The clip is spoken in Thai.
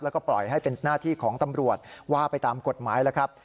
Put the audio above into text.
แล้วก็ปล่อยให้เป็นหน้าที่ของตำรวจว่าไปตามกฎหมายแล้วครับ